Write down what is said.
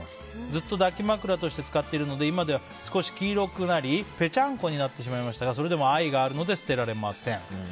ずっと抱き枕として使っているので今では少し黄色くなりぺちゃんこになってしまいましたがそれでも愛があるので捨てられません。